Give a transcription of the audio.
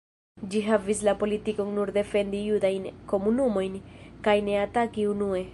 Ĝi havis la politikon nur defendi judajn komunumojn kaj ne ataki unue.